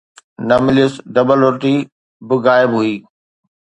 نه مليس، ڊبل روٽي به غائب هئي.